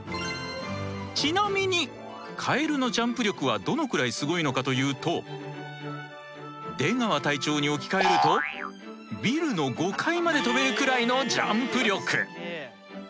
ちなみにカエルのジャンプ力はどのくらいすごいのかというと出川隊長に置き換えるとビルの５階まで跳べるくらいのジャンプ力。